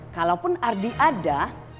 kalaupun ardi ada